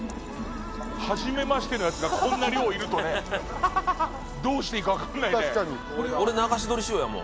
はじめましてのやつがこんな量いるとねどうしていいか分かんないね。